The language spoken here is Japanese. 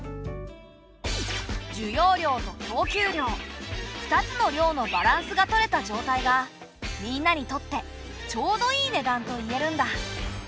需要量と供給量２つの量のバランスが取れた状態がみんなにとって「ちょうどいい値段」と言えるんだ。